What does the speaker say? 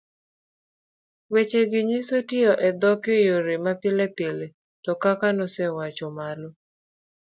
wechegi nyiso tiyo e dhok e yore mapilepile to kaka nasewacho malo,